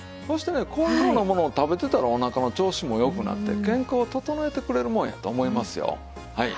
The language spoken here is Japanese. そしてこういうようなものを食べてたらおなかの調子も良くなって健康を整えてくれるもんやと思いますよ。